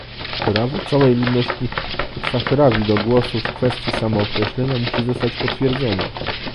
Prawo całej ludności Sahrawi do głosu w kwestii samookreślenia musi zostać potwierdzone